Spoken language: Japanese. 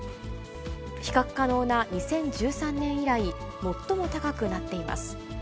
比較可能な２０１３年以来、最も高くなっています。